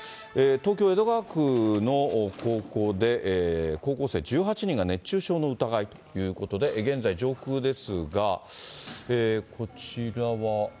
東京・江戸川区の高校で、高校生１８人が熱中症の疑いということで、現在上空ですが、こちらは。